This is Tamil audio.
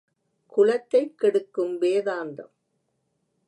குலத்தைக் கெடுக்கும் வேதாந்தம்!